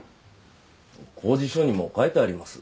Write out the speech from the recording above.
公示書にも書いてあります。